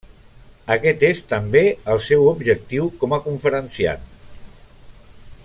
Aquest és, també, el seu objectiu com a conferenciant.